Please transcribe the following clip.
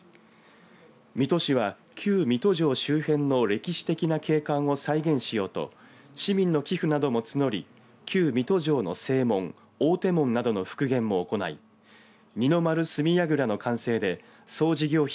水戸市は旧水戸城周辺の歴史的な景観を再現しようと市民の寄付なども募り旧水戸城の正門大手門などの復元も行い二の丸角櫓の完成で総事業費